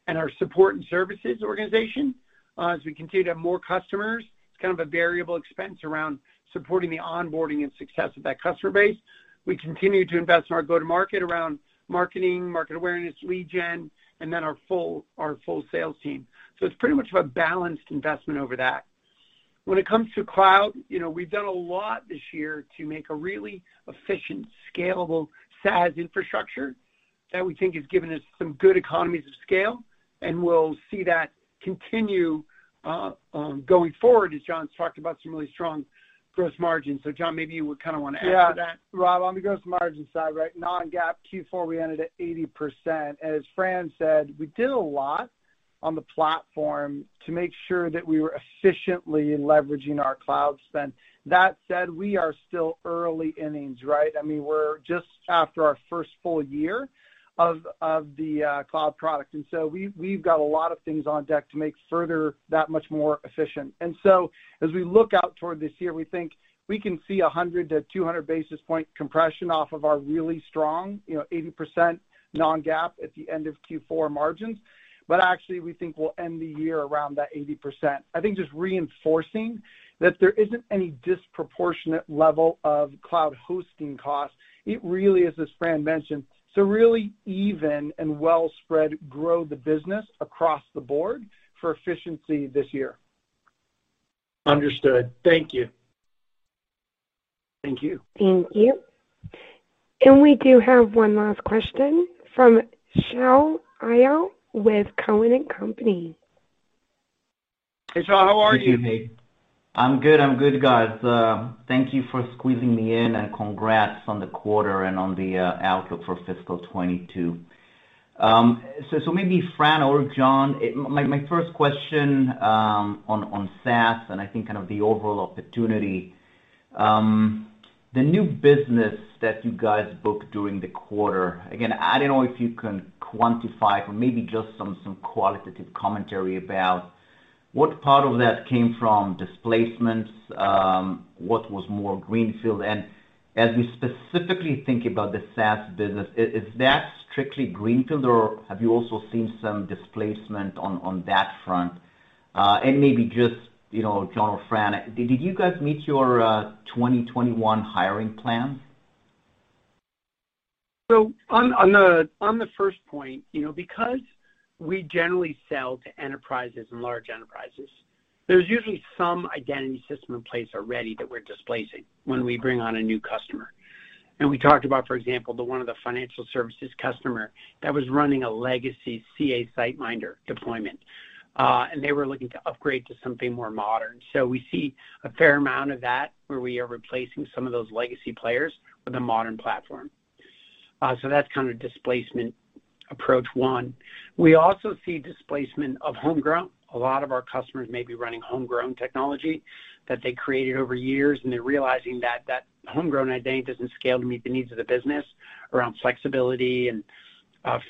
and our support and services organization. As we continue to have more customers, it's kind of a variable expense around supporting the onboarding and success of that customer base. We continue to invest in our go-to-market around marketing, market awareness, lead gen, and then our full sales team. It's pretty much of a balanced investment over that. When it comes to cloud, you know, we've done a lot this year to make a really efficient, scalable SaaS infrastructure that we think has given us some good economies of scale, and we'll see that continue going forward as John's talked about some really strong gross margins. John, maybe you would kinda wanna add to that. Yeah. Rob, on the gross margin side, right? Non-GAAP Q4, we ended at 80%. As Fran said, we did a lot on the platform to make sure that we were efficiently leveraging our cloud spend. That said, we are still early innings, right? I mean, we're just after our first full year of the cloud product, and so we've got a lot of things on deck to make further that much more efficient. As we look out toward this year, we think we can see a 100-200 basis point compression off of our really strong, you know, 80% Non-GAAP at the end of Q4 margins. Actually, we think we'll end the year around that 80%. I think just reinforcing that there isn't any disproportionate level of cloud hosting costs. It really is, as Fran mentioned, to really evenly and well-spread grow the business across the board for efficiency this year. Understood. Thank you. Thank you. Thank you. We do have one last question from Shaul Eyal with Cowen and Company. Hey, Shaul. How are you? Good evening. I'm good, guys. Thank you for squeezing me in, and congrats on the quarter and on the outlook for fiscal 2022. So maybe Fran or John, my first question on SaaS and I think kind of the overall opportunity. The new business that you guys booked during the quarter, again, I don't know if you can quantify or maybe just some qualitative commentary about what part of that came from displacements, what was more greenfield? And as we specifically think about the SaaS business, is that strictly greenfield, or have you also seen some displacement on that front? And maybe just, you know, John or Fran, did you guys meet your 2021 hiring plan? On the first point, you know, because we generally sell to enterprises and large enterprises, there's usually some identity system in place already that we're displacing when we bring on a new customer. We talked about, for example, one of the financial services customers that was running a legacy CA SiteMinder deployment. They were looking to upgrade to something more modern. We see a fair amount of that where we are replacing some of those legacy players with a modern platform. That's kind of displacement approach one. We also see displacement of homegrown. A lot of our customers may be running homegrown technology that they created over years, and they're realizing that that homegrown identity doesn't scale to meet the needs of the business around flexibility and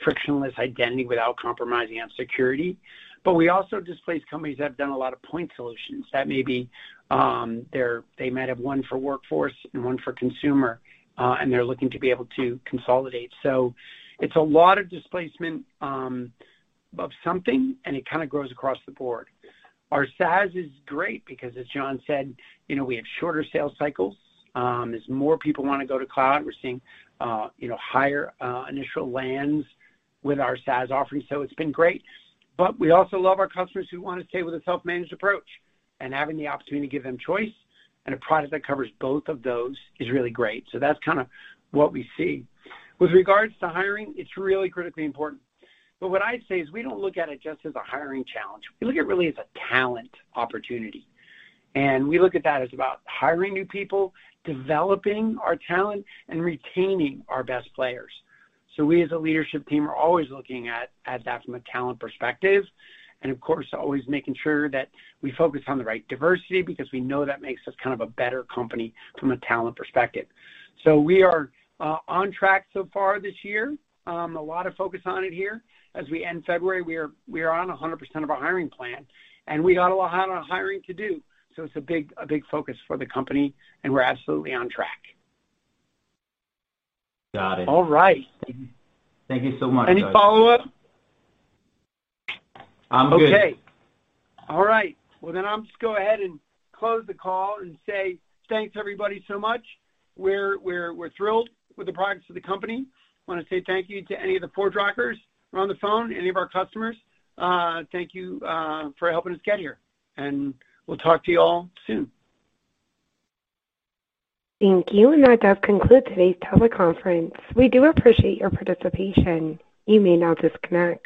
frictionless identity without compromising on security. We also displace companies that have done a lot of point solutions that maybe they might have one for workforce and one for consumer, and they're looking to be able to consolidate. It's a lot of displacement of something, and it kinda grows across the board. Our SaaS is great because as John said, you know, we have shorter sales cycles. As more people wanna go to cloud, we're seeing you know, higher initial lands with our SaaS offering, so it's been great. We also love our customers who wanna stay with a self-managed approach. Having the opportunity to give them choice and a product that covers both of those is really great. That's kinda what we see. With regards to hiring, it's really critically important. What I'd say is we don't look at it just as a hiring challenge. We look at it really as a talent opportunity. We look at that as about hiring new people, developing our talent, and retaining our best players. We as a leadership team are always looking at that from a talent perspective, and of course, always making sure that we focus on the right diversity because we know that makes us kind of a better company from a talent perspective. We are on track so far this year. A lot of focus on it here. As we end February, we are on 100% of our hiring plan, and we got a lot of hiring to do. It's a big focus for the company, and we're absolutely on track. Got it. All right. Thank you. Thank you so much, guys. Any follow-up? I'm good. Okay. All right. Well, then I'll just go ahead and close the call and say thanks everybody so much. We're thrilled with the products of the company. Wanna say thank you to any of the ForgeRockers who are on the phone, any of our customers. Thank you for helping us get here. We'll talk to you all soon. Thank you. That does conclude today's teleconference. We do appreciate your participation. You may now disconnect.